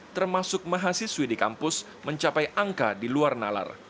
termasuk mahasiswi di kampus mencapai angka di luar nalar